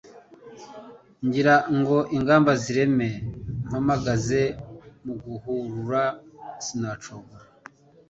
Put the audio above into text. Ngira ngo ingamba zireme mpageze, Mu guhurura sinacogora